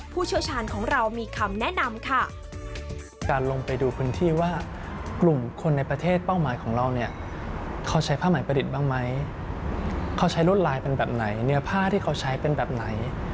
ผู้เชื้อชาญของเรามีคำแนะนำค่ะ